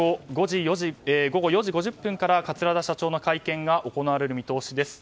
午後４時５０分から桂田社長の会見が行われる見通しです。